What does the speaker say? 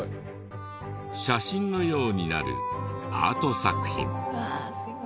写真のようになるアート作品。